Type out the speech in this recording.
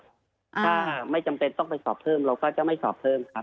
ถ้าไม่จำเป็นต้องไปสอบเพิ่มเราก็จะไม่สอบเพิ่มครับ